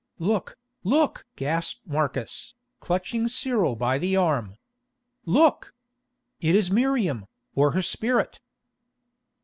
"Look, look!" gasped Marcus, clutching Cyril by the arm. "Look! It is Miriam, or her spirit."